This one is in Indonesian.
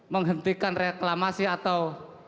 menghentikan reklamasi atau